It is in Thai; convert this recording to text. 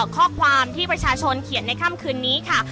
ข้อความที่ประชาชนเขียนในค่ำคืนนี้ค่ะ